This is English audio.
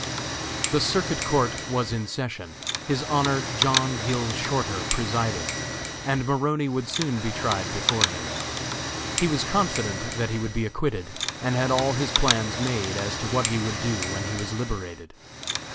The Circuit Court was in session, His Honor John Gill Shorter, presiding, and Maroney would soon be tried before him. He was confident that he would be acquitted and had all his plans made as to what he would do when he was liberated.